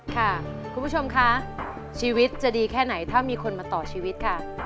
ค่ะคุณผู้ชมคะชีวิตจะดีแค่ไหนถ้ามีคนมาต่อชีวิตค่ะ